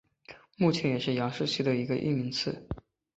目前也是杨氏蜥的一个次异名。